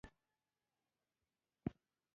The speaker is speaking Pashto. په هرخوړ چی سیلاب وزی، زمونږ وره ته را سمیږی